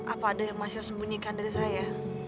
apa ada yang mas yose sembunyikan dari saya